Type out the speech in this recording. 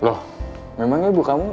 loh memangnya ibu kamu